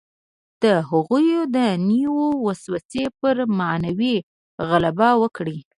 د هغوی دنیوي وسوسې پر معنوي غلبه وکړي.